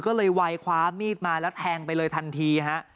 ก็เลยไวคว้ามีดมาแล้วแทงไปเลยทันทีฮะ